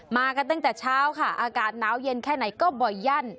มากันตั้งแต่เช้าค่ะอากาศหนาวเย็นแค่ไหนก็บ่อยยั่น